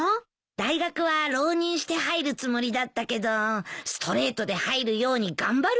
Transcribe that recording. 大学は浪人して入るつもりだったけどストレートで入るように頑張るよ。